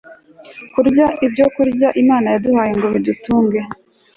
kurya ibyokurya Imana yaduhaye ngo bidutunge